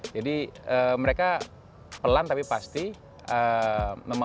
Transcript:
jadi mereka pelan tapi pasti memasuki atau memahami politik